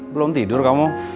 belom tidur kamu